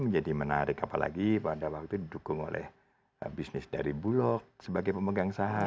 jadi menarik apalagi pada waktu itu didukung oleh bisnis dari bulog sebagai pemegang saham